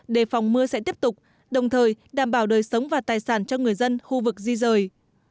đề phòng mưa sẽ tiếp tục đồng thời đảm bảo đời sống và tài sản cho người dân khu vực di rời